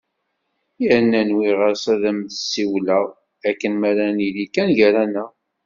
Yerna nwiɣ-as ad am-d-siwileɣ akken mi ara nili kan gar-aneɣ!